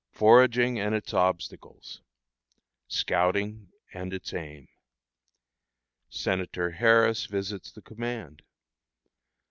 Foraging and its Obstacles. Scouting and its Aim. Senator Harris visits the Command.